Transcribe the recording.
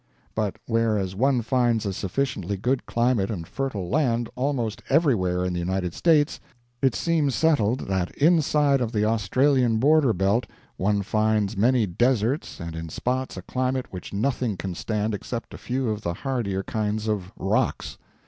But where as one finds a sufficiently good climate and fertile land almost everywhere in the United States, it seems settled that inside of the Australian border belt one finds many deserts and in spots a climate which nothing can stand except a few of the hardier kinds of rocks.